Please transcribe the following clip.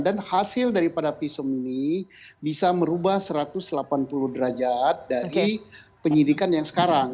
dan hasil daripada visum ini bisa merubah satu ratus delapan puluh derajat dari penyidikan yang sekarang